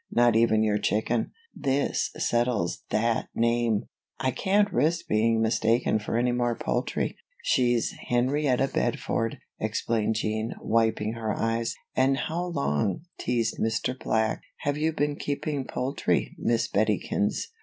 "Not even your chicken. This settles that name I can't risk being mistaken for any more poultry." "She's Henrietta Bedford," explained Jean, wiping her eyes. "And how long," teased Mr. Black, "have you been keeping poultry, Miss Bettykins?"